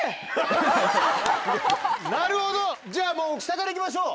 なるほどじゃあもう下から行きましょう。